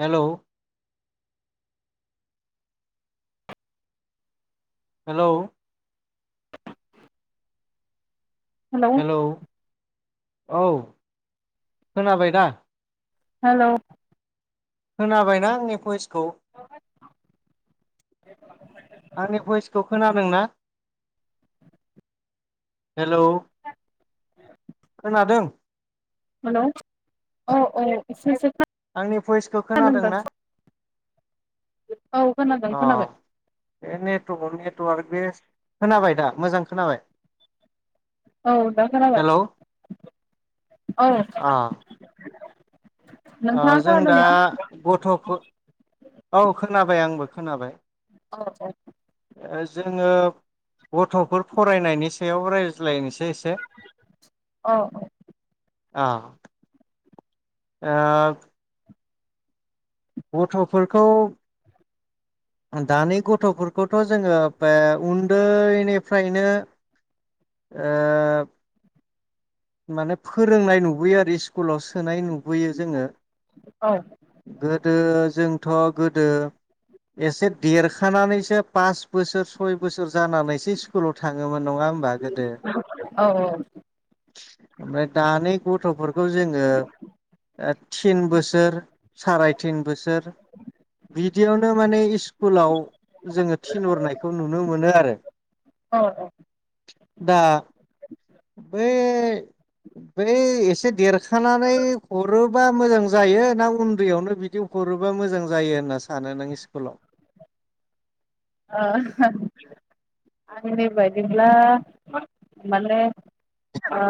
हेल' hello hello hello औ खोनाबाय दा हेल' खोनाबायना आंनि फइस खौ‌ आंनि भइसखौ खोना दोंना हेल' खोनादों? हेलौ औ औ एसे एसे खोना आंनि भइसखौ खोनादोंना? औ खोनादों अ खोनाबाय बे नेथवार नेथ बे खोनाबाय दा मोजां खोनाबाय औ दा खोनाबाय हेलौ औ अ ओ नोंथाङा जों दा खोनादोंना गथ'फो औ खोनाबाय आंबो खोनाबाय। औ जोङो गथ'फोर फरायनायनि सायाव रायज्लायनो औ [unintelligible] अ ओ गथ'फोरखौ दानि गथ'फोरखौथ' जोङो बे उन्दैनिफ्रायनो ओ माने फोरोंनाय नुबोयो आरो स्कुलाव सोनाय नु बोयो जोङो औ गोदो जों थ' गोदो एसे देरखानानैसो पास बोसोर सय बोसोर जानानैसो स्कुलाव थां ङोमोन नङा होमबा गोदो। ओमफ्राय दानि गथ'फोरखौ जोङो थिन बोसोर साराय थिन बोसोर बिदियावनो माने इ स्कुलाव जोङो थिनहरनायखौ नुनो मोनो आरो। औ ओ दा बे बै एसे देरखानानै हरोबा मोजां जायो ना उन्दैयावनो बिदि हरोबा मोजां जायो होनना सानो नों इस्कुलाव [unintelligible] आंनि बायदिब्ला माने ओ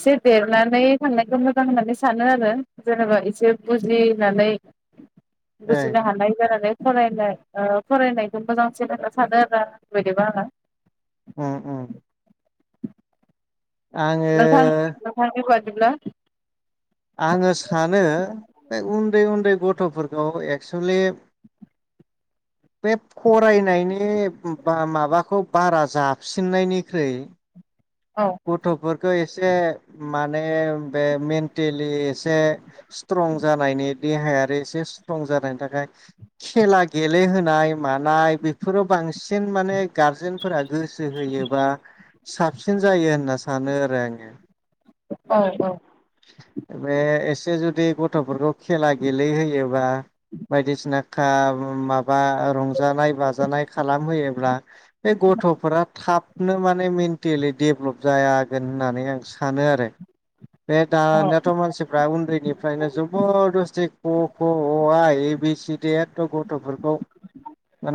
एसे देरनानै थांनायखौ मोजां मोनो सानो आरो जेनेबा एसे बुजिनानै ए बुजिनो हानाय जानानै फरायनाय ओ फरायनाय मोजांसिन होनना सानो आरोना बेदिबा आङो उम उम आङो दिब्ला आङो सानो बे उन्दै उन्दै गथ'फोरखौ एक्सुलि बे फरायनायनि बा माबाखौ बारा जाबसिननायनिख्रुइ औ गथ'फोरखौ एसे माने बे मेन्टेलि एसे स्ट्रं जानायनि देहाया एसे स्ट्रं जानायनि थाखाय खेला गेलेहोनाय मानाय बेफोराव बांसिन माने गारजेनफोरा गोसो होयोबा साबसिन जायो होनना सानो आरो आङो औ बे एसे जु दि गथ'फोरखौ खेला गेले होयोबा बायदिसिना खाम माबा रंजानाय बाजानाय खालाम होयोब्ला बे गथ'फोरा थाबनो माने मेन्टेलि डेभ्लप जायागोन होननानै आं सानो आरो बे औ दानियाथ' मानसिफ्रा उन्दैनिफ्रायनो जोबरदस्ति क' क' अ आ ए बि सि डि एथ' गथ'फोरखौ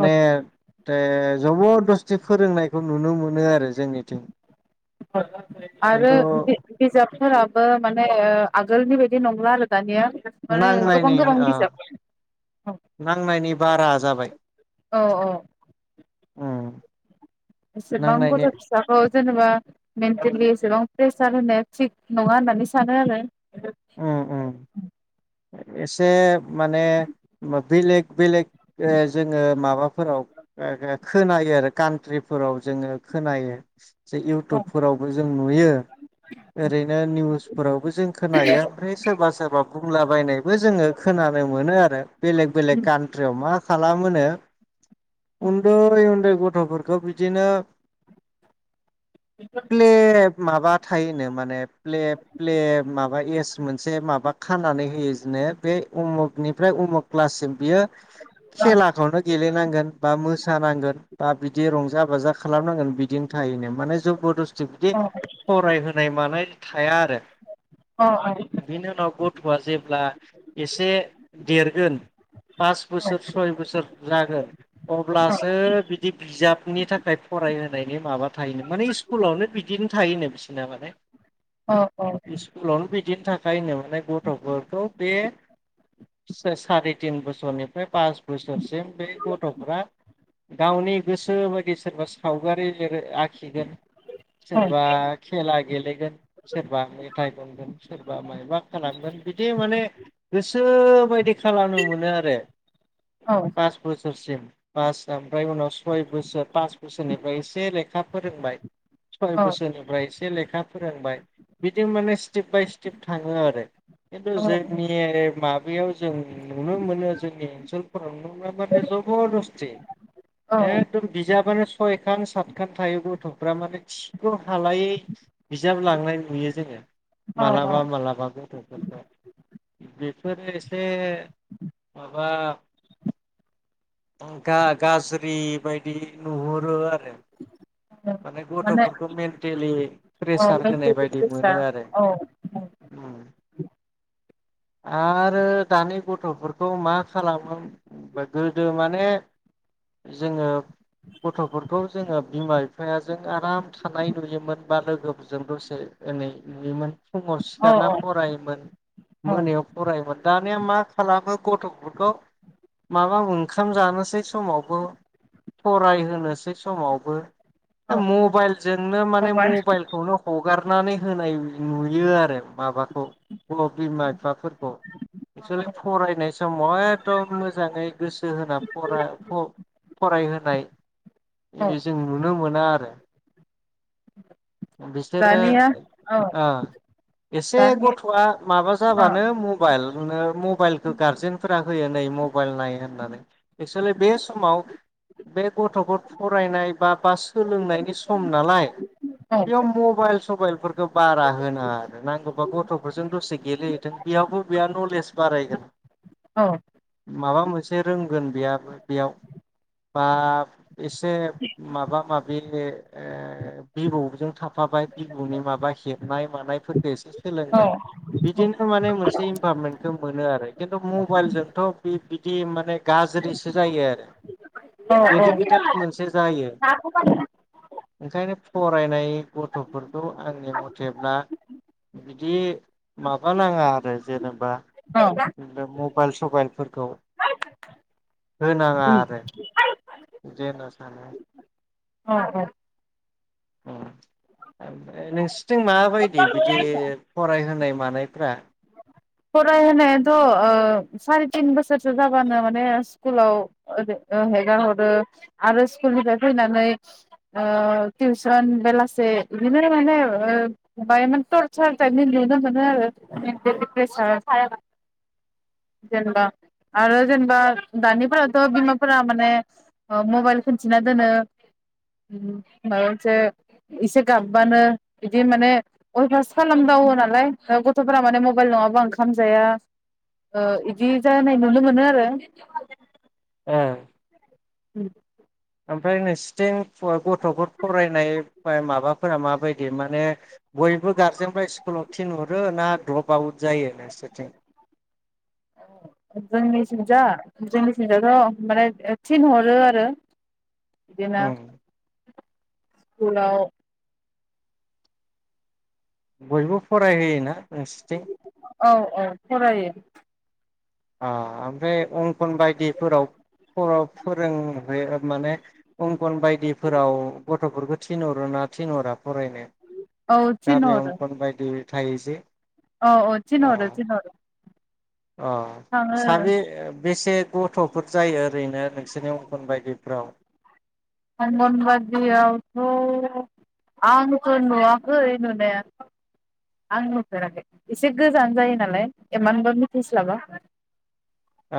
औ जबर दस्थि फोरोंनायखौ नुनो मोनो आरो जोंनिथिं आरो खिन्थु बिजाबफोराबो माने आगोलनि बाय दि नंला आरो दानिया माने नांनायनि गोबां-गोबां ओ बिजाब नांनायनि बारा जाबाय औ औ उम एसेबां गथ' नांनायनि फिसाखौ जेनेबा मेन्टेलि एसेबां प्रेसार होनाया थिक नङा होननानै सानो आरो उम उम एसे माने बेलेग बेलेग ओ‌ जोङो माबाफोराव खोनायो आरो कान्ट्रिफोराव जोङो खोनायो जे अ इउटुबफोरावबो जों नुयो ओरैनो निउसफोरावबो जों खोनायो ओमफ्राय सोरबा सोरबा बुंलाबायनायबो जोङो खोनानो मोनो आरो बेलेग बेलेग कान्ट्रियाव मा खालामोनो उन्दै उन्दै गथफोरखौ बिदिनो प्ले माबा थायोनो माने प्लेब प्लेब माबा एस मोनसे माबा खानानै होयो जेनो बे उमुखनिफ्राय उमुख क्लाससिम बियो खेलाखौनो गेलेनांगोन बा मोसानांगोन बा बिदि रंजा बाजा खालामनांगोन बिदिनो थायोनो माने जबद बिदि फरायहो होननाय मानाय थाया आरो अ बिन उनाव गथ'आ जेब्ला एसे देरगोन पास बोसोर सय बोसोर जागोन अब्लासो बिदि बिजाबनि थाखाय फरायहोनायनि माबा थायोनो माने इस्कुलावनो बिदिनो थायोनो बिसोरना माने औ औ इस्कुलावनो बिदिनो थाखायो माने गथ' गथ'फोरखौ बे साराय तिन बोसोरनिफ्राय पास बोसोरसिम बे गथ'फोरा गावनि गोसोबायदि सोरबा सावगारि आखिगोन सोरबा खेला गेलेगोन सोरबा मेथाइ खनगोन सोरबा माबा खालामगोन बिदि माने गोसो बायदि खालामनो मोनो आरो पास बोस बोसोरसिम पास ओमफ्राय उनाव सय बोसोर पास बोसोरनिफ्राय एसे लेखा फोरोंबाय सय औ बोसोरनिफ्राय एसे लेखा फोरोंबाय बिदि माने स्टेप बाय स्टेप थाङो आरो खिन्थु जोंनि माबायाव जों नुनो मोनो जोंनि ओनसोलफोराव माने जबरदस्ति एकदम बिजाब [unintelligible] सयखान सातखान थायो गथफ्रा माने थिखो हालायै बिजाब लांनाय नुयो जोङो औ मालाबा मालाबाबो दफोर [inaudible] बेफोरो एसे माबा गा-गाज्रि बायदि नुहुरो आरो औ माने गथफोरखौ मेन्टेलि अ म प्रेसार होनाय बायदि मोनो आरो [inaudible] औ आरो दानि गथफोरखौ मा खालामो गोदो माने जोङो गथ'फोरखौ जोङो बिमा बिफायाजों आराम थानाय नुयोमोन बा लोगोफोरजों दसे एनै नुयोमोन फुङाव औ सिखारना फरायोमोन औ मोनायाव फरायोमोन दानिया मा खालामो गथ'फोरखौ माबा ओंखाम जानोसै समावबो फरायहोनोसै समावबो औ मबाइल जोंनो माने मबाइल मबाइलखौनो हगारनानै होनाय नुयो आरो माबाखौ बिमा बिफाफोरखौ एक्सुलि औ फरायनाय समाव एदम मोजाङै गोसो होना फरा फरायहोनाय औ जों नुनो मोनो आरो बिसोरो दानिया औ ओ एसे दानि गथआ माबा औ जाबानो मब मबाइलानो मबाइलखौ गारजेनफोरा होयो नै मबाइल नाय होननानै एक्सुलि बे समाव बे गथफोर फरायनाय बा बा सोलोंनायनि सम नालाय औ बेयाव मबाइल सबाइलफोरखौ बारा होनाङा आरो नांगौबा गथफोरजों दसे गेलेहैथों बेयावबो बेयाव नलेज बारायगोन औ माबा मोनसे रोंगोन बेयाबो बेयाव बा एसे माबा माबि ओ भिबौजों थाफाबाय बिबौनि माबा हेबनाय मानायफोरफोरखौ एसे सोलोंबाय बि बिदिनो माने मोनसे इनभारमेन्टखौ मोनो आरो खिन्थु मबाइलजोंथ बिदि माने गाज्रिसो जायो आरो औ औ एडिक्टेड मोनसे जायो [unintelligible] ओंखायनो फरायनाय गथ'फोरखौ आंनि मथेब्ला बिदि माबा नांङा आरो जेनेबा औ मबाइल सबाइलफोरखौ होनांङा आरो बिदि होनना सानो औ औ [unintelligible] उम ओमफ्राय नोंसोरथि मा बायदि बिदि फरायहोनाय मानायफ्रा फरायहोनायाथ' ओ साराय तिन बोसोरसो जाबानो माने स्कुलावओै हेगार हरो आरो स्कुलनिफ्राय फैनानै ओ टिउसन बेलासे बिनो माने ओ बाय टरसार टाइपनि नुनो मोनो आरो सा जेनेबा आरो जेनेबा दानिफ्राथ' बिमाफोरा माने ओ मबाइल खिन्थिना दोनो माबा मोनसे एसे गाबबानो बिदि माने अयबासास खालामदावो नालाय गथ'फोरा माने मब मबाइल नंङाबा ओंखाम जाया ओ इदि जानाय नुनो मोनो आरो ओ उम ओमफ्राय नोंसोरथिं गथ'फोर फरायनाय माबाफोरा माबायदि माने बयबो गारजेनफ्रा स्कुलाव थिनहरो ना द्रप आउट जायो नोंसोरथिं जोंनि सिंजा जोंनि सिंजाथ' माने थिन हरो आरो बिदिनो उम सकुलाव बयबो फरायहोयोना नोंसिथिं औ औ फरायो ओ ओमफ्राय अंकन बायदिफोराव ख' फोरोंह माने अंकन बायदिफोराव गथ'फोरखौ थिनहरो ना थिनहरा फरायनो औ गामियाव‌ थिनहरो अंखनबायदि थायो जे औ औ थिनहरो अ थिनहरो अ थाङो साबे बेसे गथ'फोर जायो ओरैनो नोंसोरनि अंगन बायदिफ्राव अंगनबादियावथ' आंथ नुवाखै नुनाया आं नुफेराखै एसे गोजान जायो नालाय एमानबो मिथिस्लाबा अ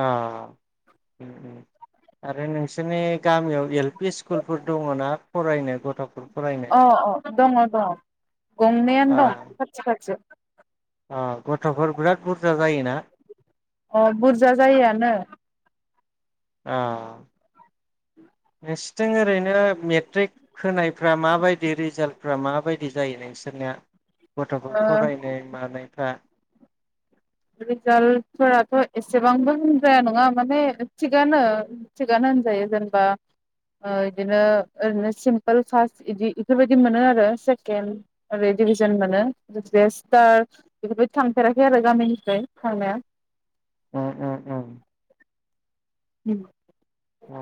आरो नोंसोरनि गामियाव एल फि स्कुलफोर दङ ना फरायनो गथ'फोर फरायनो अ अ दङ दङ गंनैयानो दं खाथि खाथि अ गथ'फोर बिराद बुरजा जायोना अ बुरजा जायोआनो ओ नोंसोरथिं ओरैनो मे मेट्रिक होनायफ्रा माबायदि रिजाल्टफ्रा माबायदि जायो नोंसोरनिया गथ'फोर ओ फरायनाय मानायफा [inaudible] रिजाल्टफोराथ' एसेबांबो होनजाया नङा माने थिगानो थिगानो होनजायो जेनेबा ओ बिदिनो ओरैनो सिम्पोल फार्स्ट इदि इफोरबायदि मोनो आरो सेकेन्ड ओरै डिभिजन मोनो स्टार बेफोर बायदि थांफेराखै आरो गामिनि फ्राय‌ [unintelligible] ओ ओ ओ उम अ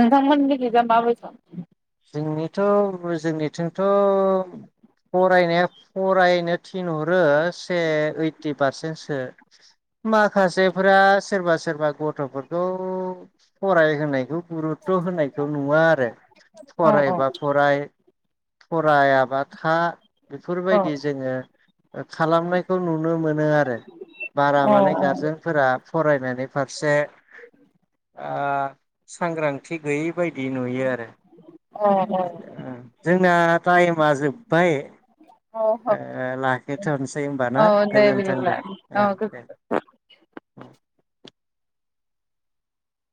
नोंथांमोननि खैजा मा बायसा‌ थ' फरायनाया फरायनो थिनहरो से ओइटि पारसेन्टसो माखासेफोरा सोरबा सोरबा गथ'फोरखौ फरायहोनायखौ गुरुतथ' होनायखौ नुवा आरो औ औ फरायबा फराय फरायाबा था बेफोर औ बायदि जोङो खालामनायखौ नुनो मोनो आरो बारा अ माने गारजेनफोरा फरायनायनि फारसे ओ सांग्रांथि गैयै बायदि नुयो आरो अ जोंना टाइमा जोब्बाय अ अ लाखोथ'नोसै औ हबाना दे गोजोनथों बिदिब्ला दे औ गो दे